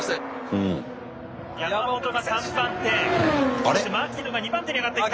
山本が３番手そして牧野が２番手に上がってきた。